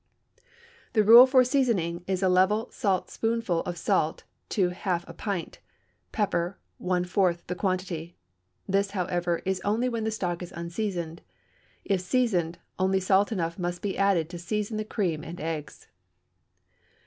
The rule for seasoning is a level salt spoonful of salt to half a pint; pepper, one fourth the quantity. This, however, is only when the stock is unseasoned; if seasoned, only salt enough must be added to season the cream and eggs.